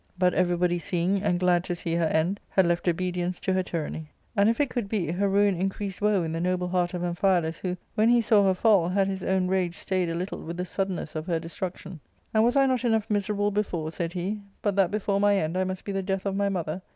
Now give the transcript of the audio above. But everybody seeing, and glad to see, her end, had left obedience to* her tyranny. * Left obedience to — Had ceased to obey her. ARCADIA,— Book IIL 355 And, if it could be, her ruin increased woe in the noble heart of Amphialus, who, when he saw her fall, had his own rage stayed a little with the suddenness of her destruction. " And was I not enough miserable before," said he, " but that before my end I must be the death of my mother